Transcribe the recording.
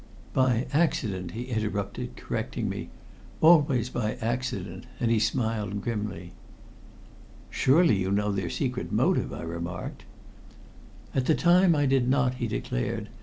"By accident," he interrupted, correcting me. "Always by accident," and he smiled grimly. "Surely you know their secret motive?" I remarked. "At the time I did not," he declared.